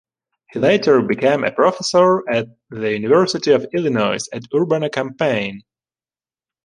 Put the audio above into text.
He later became a professor at the University of Illinois at Urbana-Champaign.